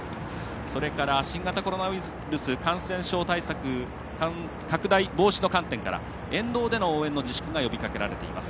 それから新型コロナウイルス感染症対策拡大防止の観点から沿道での応援の防止が呼びかけられています。